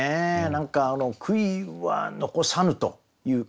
何か「悔いは残さぬ」という。